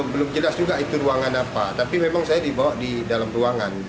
belum jelas juga itu ruangan apa tapi memang saya dibawa di dalam ruangan